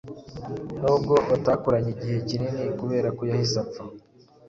nubwo batakoranye igihe kinini kubera ko yahise apfa”.